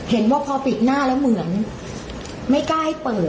เห็นว่าพอปิดหน้าแล้วเหมือนไม่กล้าให้เปิด